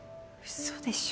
嘘でしょ？